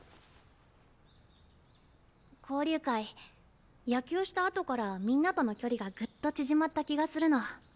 交流会野球したあとからみんなとの距離がぐっと縮まった気がするの。